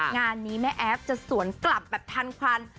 งานนี้แม่แอฟจะสวนกลับแบบทันควัน